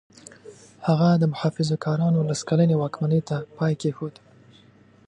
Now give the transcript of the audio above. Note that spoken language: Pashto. هغه د محافظه کارانو لس کلنې واکمنۍ ته پای کېښود.